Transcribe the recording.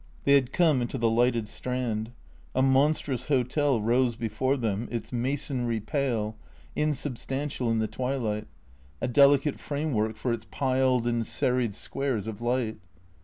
They had come into tlie lighted Strand. A monstrous hotel rose before them, its masonry pale, insubstantial in the twilight, a delicate framework for its piled and serried squares of light.